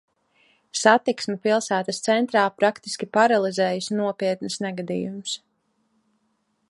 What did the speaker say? Satiksmi pilsētas centrā praktiski paralizējis nopietns negadījums.